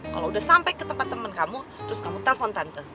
kalau udah sampai ke tempat temen kamu terus kamu telpon tante